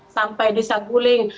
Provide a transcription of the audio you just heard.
sampai di saguling